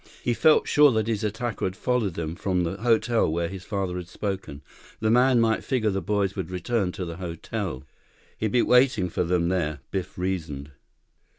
He felt sure that his attacker had followed them from the hotel where his father had spoken. The man might figure the boys would return to the hotel. He'd be waiting for them there, Biff reasoned.